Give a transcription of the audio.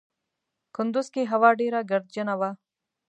کندوز کې هوا ډېره ګردجنه وه.